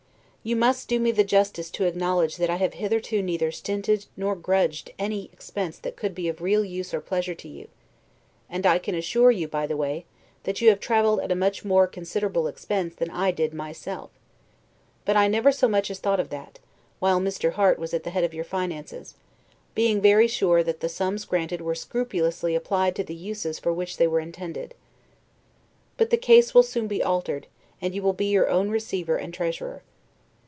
You must do me the justice to acknowledge, that I have hitherto neither stinted nor grudged any expense that could be of use or real pleasure to you; and I can assure you, by the way, that you have traveled at a much more considerable expense than I did myself; but I never so much as thought of that, while Mr. Harte was at the head of your finances; being very sure that the sums granted were scrupulously applied to the uses for which they were intended. But the case will soon be altered, and you will be your own receiver and treasurer.